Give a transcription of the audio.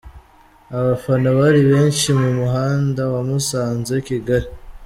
Abafana bari benshi mu muhanda wa Musanze-Kigali.